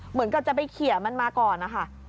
เหมือนกับจะไปเขียมันมาก่อนนะคะ